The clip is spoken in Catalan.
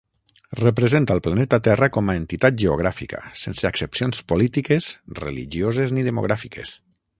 Representa el planeta Terra com a entitat geogràfica, sense accepcions polítiques, religioses ni demogràfiques.